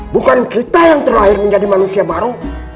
bukan kita yang terlahir menjadi manusia baru